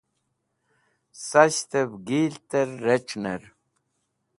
Sashtev Gilter Rec̃hner